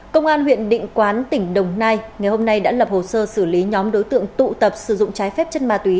công an huyện định quán tỉnh đồng nai ngày hôm nay đã lập hồ sơ xử lý nhóm đối tượng tụ tập sử dụng trái phép chất ma túy